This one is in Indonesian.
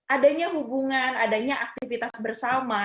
adanya hubungan adanya aktivitas bersama